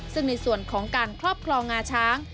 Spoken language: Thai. ซึ่งในส่วนของการครอบครองงาช้าง